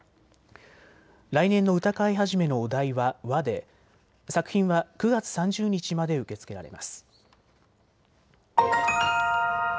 来年の歌会始のお題は和で作品は９月３０日まで受け付けられます。